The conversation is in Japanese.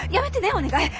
お願い。